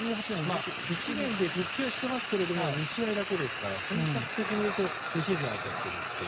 １年で復帰はしてますけど２試合だけですから本格的にいうと２シーズン空いちゃってるという。